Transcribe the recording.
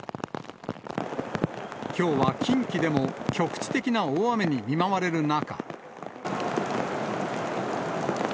きょうは近畿でも、局地的な大雨に見舞われる中。